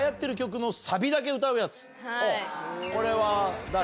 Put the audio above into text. これは誰？